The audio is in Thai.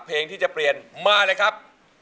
เพลงที่จะเปลี่ยนมาเลยครับ